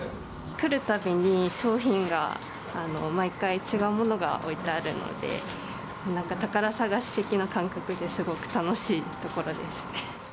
来るたびに商品が毎回違うものが置いてあるので、なんか宝探し的な感覚で、すごく楽しい所です。